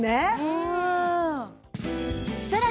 うん。